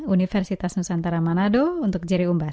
universitas nusantara manado untuk jerry umbas